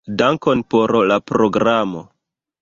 Dankon por la programo.